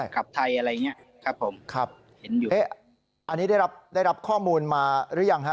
กลับไทยอะไรอย่างเงี้ยครับครับอันนี้ได้รับข้อมูลมาหรือยังครับ